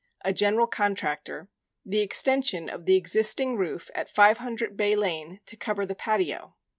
a general contractor, the extension of the existing roof at 500 Bay Lane to cover the patio.